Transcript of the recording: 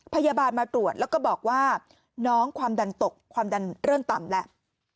พยาบาลมาตรวจแล้วก็บอกว่าน้องความดันตกความดันเริ่มต่ำแล้ว